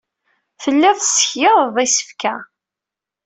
Telliḍ tessekyadeḍ isefka.